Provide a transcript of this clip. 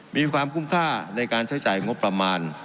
มีความคุ้มค่าในการใช้จ่ายงบประมาณ